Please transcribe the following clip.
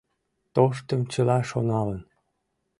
Тоштым чыла шоналын?